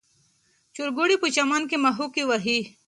چرګوړي په چمن کې مښوکې وهي.